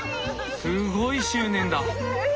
すごい執念だ。